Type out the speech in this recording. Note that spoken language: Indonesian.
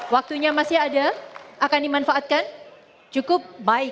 waktunya masih ada akan dimanfaatkan cukup baik